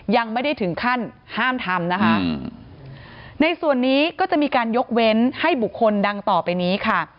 ยังไม่ได้ถึงขั้นห้ามทำนะคะในส่วนนี้ก็จะมีการยกเว้นให้บุคคลดังต่อไปนี้ค่ะ